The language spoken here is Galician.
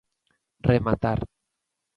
Rematar.